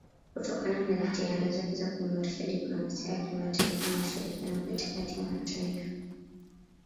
kutokana na jitihada zake za kuimarisha diplomasia ya kimataifa na ushirikiano katia ya mataifa